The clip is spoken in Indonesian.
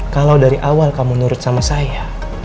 kalau dari awal kamu nurut sama saya